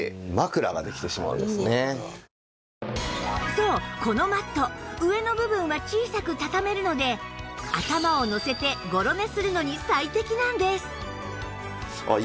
そうこのマット上の部分は小さくたためるので頭をのせてごろ寝するのに最適なんです